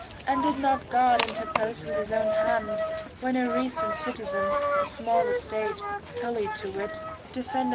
And did not God interpose with his own hand when a recent citizen, of small estate, TuUy to wit, defended VI.